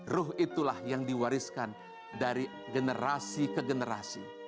ruh itulah yang diwariskan dari generasi ke generasi